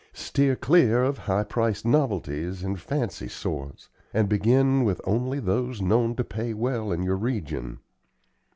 Steer clear of high priced novelties and fancy sorts, and begin with only those known to pay well in your region.